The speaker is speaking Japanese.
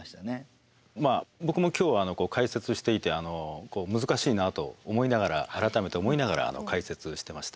僕も今日解説していて難しいなと思いながら改めて思いながら解説してました。